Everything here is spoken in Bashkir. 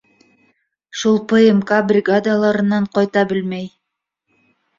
Шул ПМК бригадаларынан ҡайта бел мәй